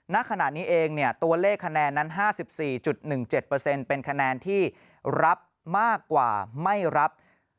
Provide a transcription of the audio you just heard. ณขณะนี้เองตัวเลขคะแนนนั้น๕๔๑๗เป็นคะแนนที่รับมากกว่าไม่รับ